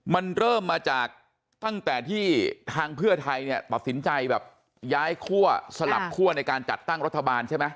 มันเริ่มมาจากตั้งแต่ที่ทางเพื่อไทยเนี่ยตัดสินใจแบบย้ายคั่วสลับคั่วในการจัดตั้งรัฐบาลใช่ไหม